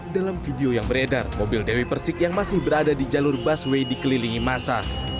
dalam video yang beredar mobil dewi persik yang masih berada di jalur busway dikelilingi masa